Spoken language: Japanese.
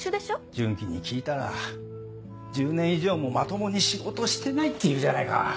順基に聞いたら１０年以上もまともに仕事してないって言うじゃないか。